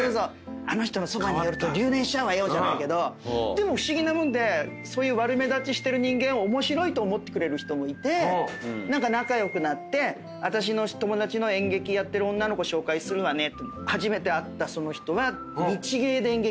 「あの人のそばに寄ると留年しちゃうわよ」じゃないけどでも不思議なもんでそういう悪目立ちしてる人間を面白いと思ってくれる人もいて仲良くなって「私の友達の演劇やってる女の子紹介するわね」